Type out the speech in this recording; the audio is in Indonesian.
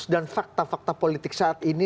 dan fakta fakta politik saat ini